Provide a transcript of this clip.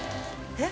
えっ？